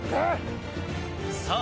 さあ